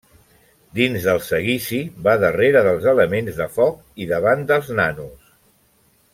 Dins del seguici va darrere dels elements de foc i davant dels nanos.